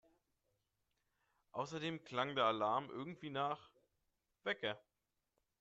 Außerdem klang der Alarm irgendwie nach … Wecker!